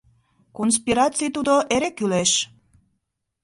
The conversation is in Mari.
Конспираций тудо эре кӱлеш.